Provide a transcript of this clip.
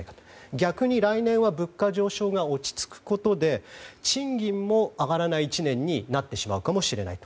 逆に来年は物価上昇が落ち着くことで賃金も上がらない１年になってしまうかもしれないと。